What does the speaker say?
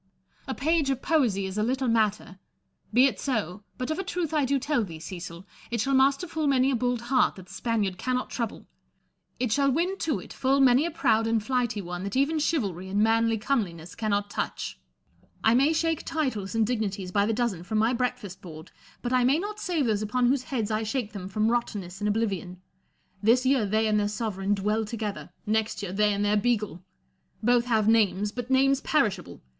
A page of poesy is a little matter : be it so ; but of a truth I do tell thee, Cecil, it shall master full many a bold heart that the Spaniard cannot trouble; it shall win to it full many a proud and flighty one that even chivalry and manly comeliness cannot touch, I may shake titles and dignities by the dozen from my breakfast board ; but I may not save those upon whose heads I shake them from rotten ness and oblivion. This year they and their sovereign dwell together ; next year, they and their beagle. Both have names, but names perishable.